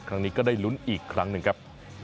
ครั้งนี้ก็ได้ลุ้นอีกครั้งหนึ่งครับ